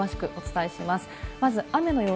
詳しくお伝えします。